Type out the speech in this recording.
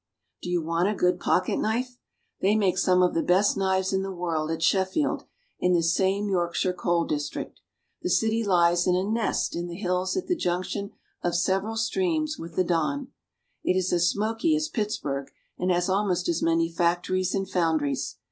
Do you want a good pocketknif e ? They make some of the best knives in the world at Sheffield, in this same Yorkshire coal district. The city lies in a nest in the hills at the junction of several streams with the Don. It is as smoky as Pittsburg, and has almost as many factories and foundries.